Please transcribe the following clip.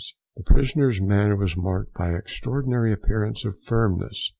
The prisoner's manner was marked by an extraordinary appearance of firmness.